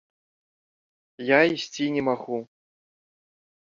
Я ісці не магу.